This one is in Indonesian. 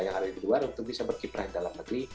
yang ada di luar untuk bisa berkiprah dalam negeri